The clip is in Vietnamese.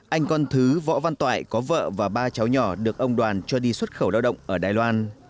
anh con thứ võ văn toại có vợ và ba cháu nhỏ được ông đoàn cho đi xuất khẩu lao động ở đài loan